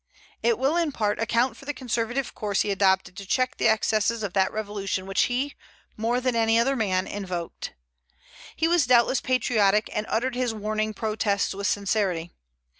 It will in part account for the conservative course he adopted to check the excesses of that revolution which he, more than any other man, invoked. He was doubtless patriotic, and uttered his warning protests with sincerity.